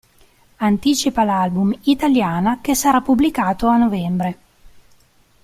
Anticipa l'album "Italiana" che sarà pubblicato a novembre.